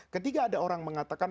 ketika ada orang mengatakan